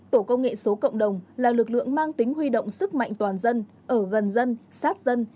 tổ công nghệ số cộng đồng là lực lượng mang tính huy động sức mạnh toàn dân ở gần dân sát dân